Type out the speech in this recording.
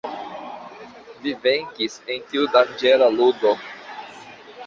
Vi venkis en tiu danĝera ludo.